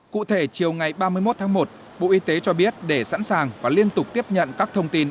cụ thể chiều ngày ba mươi một tháng một bộ y tế cho biết để sẵn sàng và liên tục tiếp nhận các thông tin